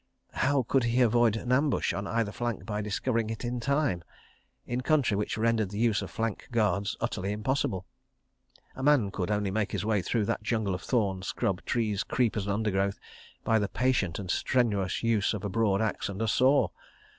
How could he avoid an ambush on either flank by discovering it in time—in country which rendered the use of flank guards utterly impossible? A man could only make his way through that jungle of thorn, scrub, trees, creepers and undergrowth by the patient and strenuous use of a broad axe and a saw.